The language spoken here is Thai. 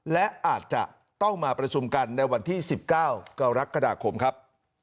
และอาจจะต้องมาประชุมกันในวันที่๑๙กรกฎาคมครับ